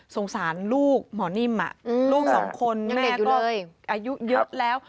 สงสารลูกหมอนิ่มลูกสองคนแม่ก็อายุเยอะแล้ว